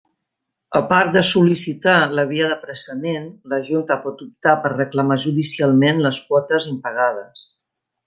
A part de sol·licitar la via d'apressament, la Junta pot optar per reclamar judicialment les quotes impagades.